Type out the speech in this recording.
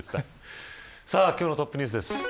今日のトップニュースです。